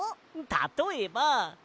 たとえば。